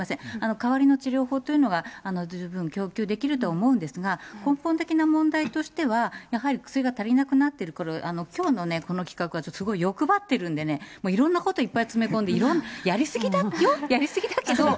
代わりの治療法というのが十分供給できると思うんですが、根本的な問題としては、やはり薬が足りなくなってる、きょうのね、この企画はちょっとすごく欲張ってるんでね、いろんなこといっぱい詰め込んで、いろんな、やり過ぎだよ、やり過ぎだけど。